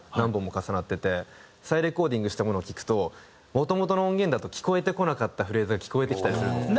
再レコーディングしたものを聴くともともとの音源だと聞こえてこなかったフレーズが聞こえてきたりするんです。